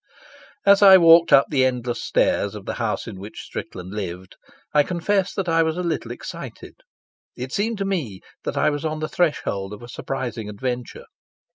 As I walked up the endless stairs of the house in which Strickland lived, I confess that I was a little excited. It seemed to me that I was on the threshold of a surprising adventure.